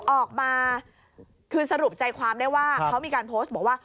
ออกมาคือสรุปใจความได้ว่าเขามีการโพสต์บอกว่า